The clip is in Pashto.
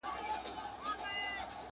په خپل كور كي يې لرمه مثالونه!.